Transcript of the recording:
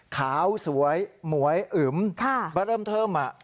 ขาวสวยหมวยอึ๋มก็เริ่มเทิม